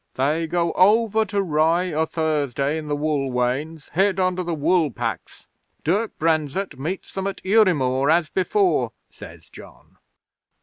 '"They go over to Rye o' Thursday in the wool wains, hid under the wool packs. Dirk Brenzett meets them at Udimore, as before," says John.